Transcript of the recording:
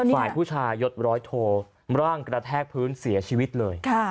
ฝ่ายผู้ชายยดร้อยโทร่างกระแทกพื้นเสียชีวิตเลย